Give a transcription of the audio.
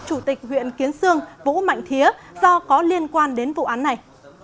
chủ tịch huyện kiến sương vũ mạnh thía do có liên quan đến vụ án này